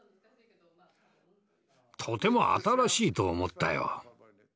「とても新しい！」と思ったよ。